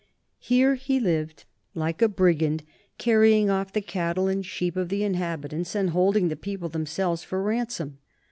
Here he lived like a brigand, carrying off the cattle and sheep of the inhabitants and holding the people themselves for ran som.